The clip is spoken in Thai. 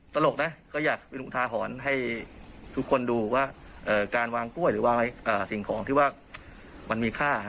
ตลกนะก็อยากเป็นอุทาหรณ์ให้ทุกคนดูว่าการวางกล้วยหรือวางไว้สิ่งของที่ว่ามันมีค่า